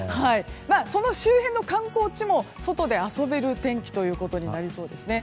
その周辺の観光地も外で遊べる天気ということになりそうですね。